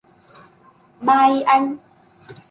Bye anh